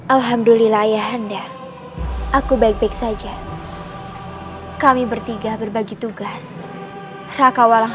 alhamdulillah ayah anda aku baik baik saja kami bertiga berbagi tugas raka walang